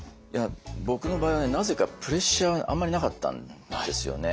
僕の場合はなぜかプレッシャーあんまりなかったんですよね。